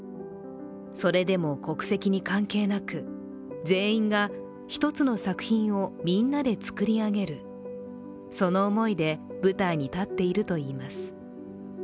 それでも国籍に関係なく、全員が１つの作品をみんなで作り上げる、その思いで舞台に立っているといいます。